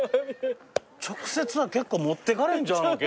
直接は結構持ってかれんちゃうの？